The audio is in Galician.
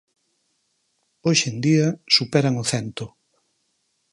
Hoxe en día, superan o cento.